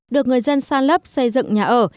được người dân san lấp xây dựng nhà ở